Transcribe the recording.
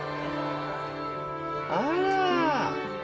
あら。